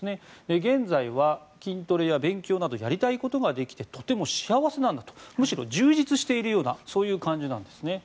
現在は筋トレや勉強などやりたいことができてとても幸せなんだとむしろ充実しているようなそういう感じなんですね。